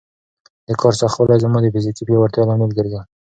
د کار سختوالی زما د فزیکي پیاوړتیا لامل ګرځي.